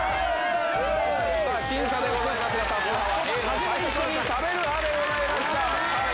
僅差でございますが多数派はＡの最初に食べる派でした。